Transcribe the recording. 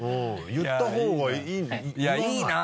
言ったほうがいい言わない？